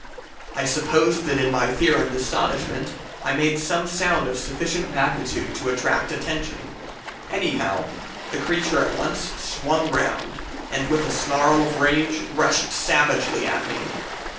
"I suppose that in my fear and astonishment I made some sound of sufficient magnitude to attract attention; anyhow, the creature at once swung round, and, with a snarl of rage, rushed savagely at me.